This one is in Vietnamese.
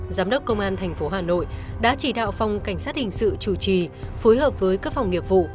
giám đốc công an tp hà nội đã chỉ đạo phòng cảnh sát hình sự chủ trì phối hợp với các phòng nghiệp vụ